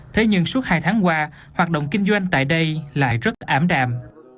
thế nhưng suốt hai tháng qua hoạt động kinh doanh tại đây lại rất ảm đạm